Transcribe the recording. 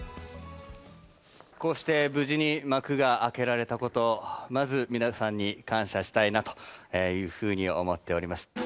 こうして無事に幕が開けられたこと、まず皆さんに感謝したいなというふうに思っております。